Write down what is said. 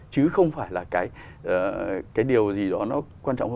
chứ không phải là cái điều gì đó nó quan trọng hơn